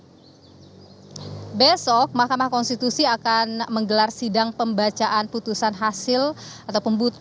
hai besok mahkamah konstitusi akan menggelar sidang pembacaan putusan hasil ataupun butuh